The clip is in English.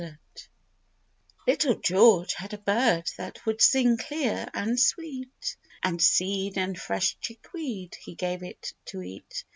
L ITTLE George had a bird that would sing clear and sweet, And seed and fresh chickweed he gave it to eat.